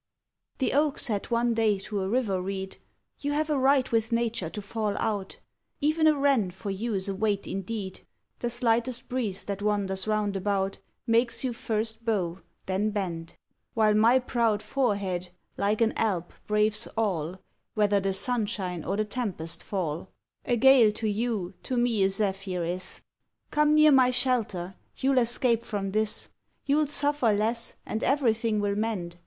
The Oak said one day to a river Reed, "You have a right with Nature to fall out. Even a wren for you's a weight indeed; The slightest breeze that wanders round about Makes you first bow, then bend; While my proud forehead, like an Alp, braves all, Whether the sunshine or the tempest fall A gale to you to me a zephyr is. Come near my shelter: you'll escape from this; You'll suffer less, and everything will mend.